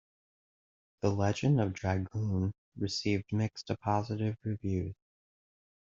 "The Legend of Dragoon" received mixed to positive reviews.